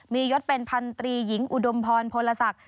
มียศเป็นพันตรีหญิงอุดมพรพลศักดิ